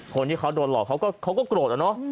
คนที่เขาโดนหลอกเขาก็โกรธอะเนาะ